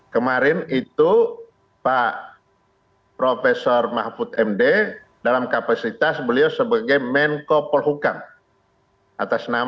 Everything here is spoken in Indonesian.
kemarin itu pak prof mahfud md dalam kapasitas beliau sebagai menko polhukam